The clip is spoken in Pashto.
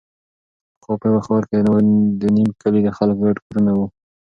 پخوا په یوه ښاره کې د نیم کلي د خلکو ګډ کورونه وو.